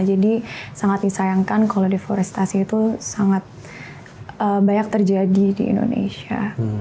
jadi sangat disayangkan kalau deforestasi itu sangat banyak terjadi di indonesia